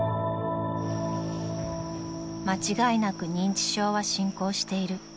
［間違いなく認知症は進行している］